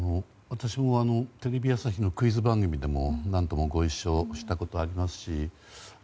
私もテレビ朝日のクイズ番組でも何度もご一緒したことありますし